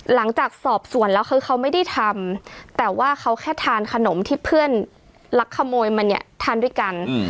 หลังจากสอบสวนแล้วคือเขาไม่ได้ทำแต่ว่าเขาแค่ทานขนมที่เพื่อนลักขโมยมาเนี่ยทานด้วยกัน